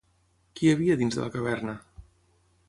Qui hi havia dins de la caverna?